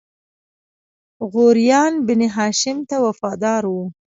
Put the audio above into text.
غوریان بنی هاشم ته وفادار وو.